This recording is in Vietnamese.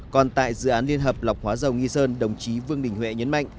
còn tại dự án liên hợp lọc hóa dầu nghi sơn đồng chí vương đình huệ nhấn mạnh